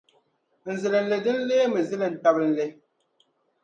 n zilinli din leemi zilin’ tabinli.